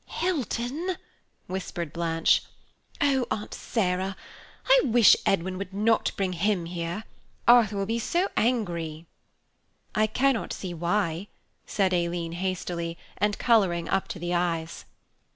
"Hilton," whispered Blanche. "Oh, Aunt Sarah, I wish Edwin would not bring him here, Arthur will be so angry." "I cannot see why," said Aileen, hastily, and colouring up to the eyes.